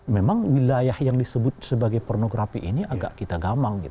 memang wilayah yang disebut sebagai pornografi ini agak kita gamang